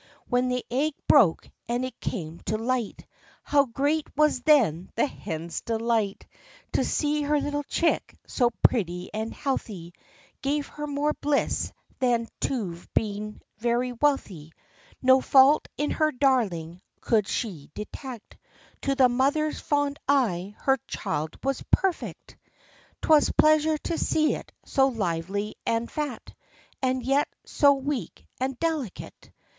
When the egg broke, and it came to light, How great was then the hen's delight! To see her little chick so pretty and healthy Gave her more bliss than to've become very wealthy. No fault in her darling could she detect 5 To the mother's fond eye her child was perfect. 22 THE LIFE AND ADVENTURES 'Twas pleasure to see it so lively and fat, And yet so weak and delicate.